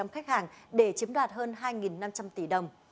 một trăm linh khách hàng để chiếm đoạt hơn hai năm trăm linh tỷ đồng